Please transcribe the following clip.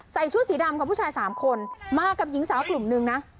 ชุดสีดำกับผู้ชาย๓คนมากับหญิงสาวกลุ่มนึงนะ